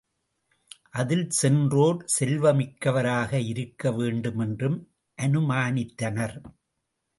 அதில் சென்றோர் செல்வமிக்கவராக இருக்க வேண்டுமென்றும் அனுமானித்தனர்.